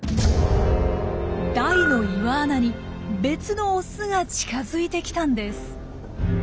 ダイの岩穴に別のオスが近づいてきたんです。